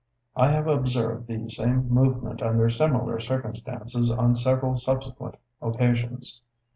I have observed the same movement under similar circumstances on several subsequent occasions.